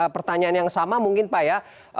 pertanyaan yang sama mungkin pak ya